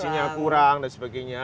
gisinya kurang dan sebagainya